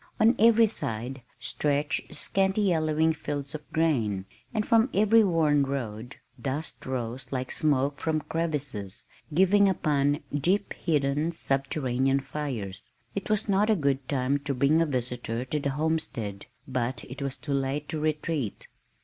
On every side stretched scanty yellowing fields of grain, and from every worn road, dust rose like smoke from crevices, giving upon deep hidden subterranean fires. It was not a good time to bring a visitor to the homestead, but it was too late to retreat.